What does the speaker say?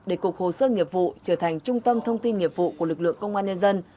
để cục hồ sơ nghiệp vụ trở thành trung tâm thông tin nghiệp vụ của lực lượng công an nhân dân